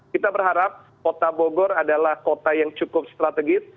kita berharap kota bogor adalah kota yang cukup strategis